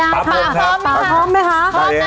ป๊าพร้อมไหมคะ